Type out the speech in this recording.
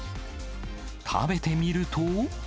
食べてみると。